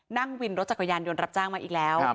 นั่งวินรถจักรยานยนต์รับจ้างมาอีกแล้ว